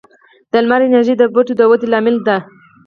د لمر انرژي د بوټو د ودې لامل ده.